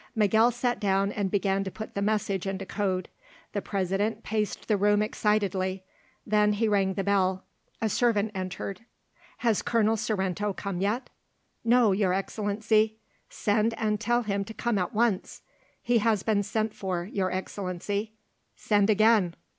Miguel sat down and began to put the message into code. The President paced the room excitedly; then he rang the bell; a servant entered. "Has Colonel Sorrento come yet?" "No, Your Excellency." "Send and tell him to come at once." "He has been sent for, Your Excellency." "Send again."